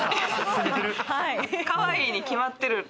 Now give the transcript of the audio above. かわいいに決まってる？